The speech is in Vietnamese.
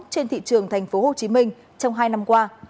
trên thị trường tp hcm trong hai năm qua